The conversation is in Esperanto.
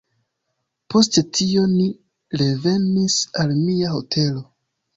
Post tio ni revenis al mia hotelo.